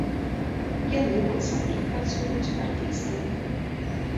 Яны ў ансамблях працуюць, артысты.